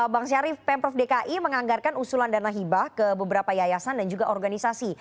bang syarif pemprov dki menganggarkan usulan dana hibah ke beberapa yayasan dan juga organisasi